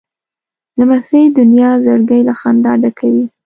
لمسی د نیا زړګی له خندا ډکوي.